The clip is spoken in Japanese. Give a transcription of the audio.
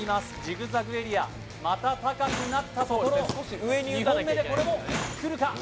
ジグザグエリアまた高くなったところ２本目でこれもくるか？